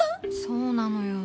そうなのよ。